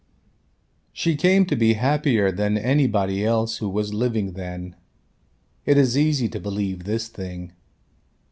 She came to be happier than anybody else who was living then. It is easy to believe this thing.